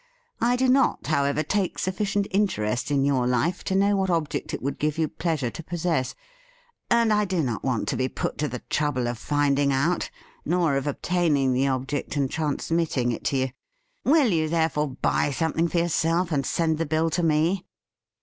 I do not, however, take sufficient interest in your life to know what object it would give you pleasure to possess ; and I do not want to be put to the trouble of finding out, nor of obtaining the object and transmitting it to you. Will you, THE FEAST OF ST FRIEND therefore, buy something for yourself and send the bill to me.